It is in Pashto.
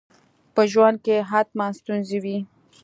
په ژوند کي حتماً ستونزي وي.